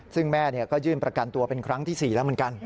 ซึ่งแม่ก็ยื่นประกันตัวเป็นครั้งที่๔แล้วเหมือนกัน